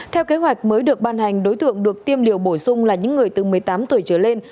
theo kế hoạch mới được ban hành đối tượng được tiêm liều bổ sung là những người từ một mươi tám tuổi trở lên